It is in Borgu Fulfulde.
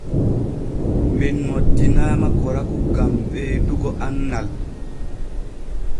Men noddinaama korakou gan ɓeedugo annal.